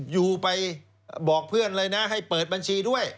ยูไปบอกเพื่อนเลยนะให้เปิดบัญชีด้วย